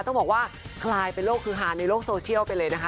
ต้องบอกว่าคลายเป็นโลกคือฮาในโลกโซเชียลไปเลยนะคะ